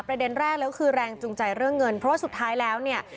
ประเด็นแรกแล้วก็คือแรงจูงใจเรื่องเงินเพราะว่าสุดท้ายแล้วเนี่ย